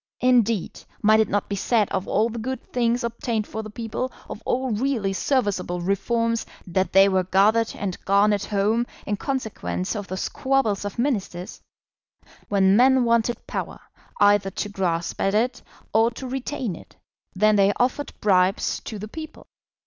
Indeed, might it not be said of all the good things obtained for the people, of all really serviceable reforms, that they were gathered and garnered home in consequence of the squabbles of Ministers? When men wanted power, either to grasp at it or to retain it, then they offered bribes to the people.